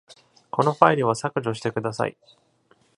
このファイルを削除してください。